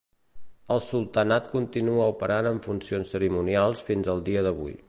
El sultanat continua operant en funcions cerimonials fins al dia d'avui.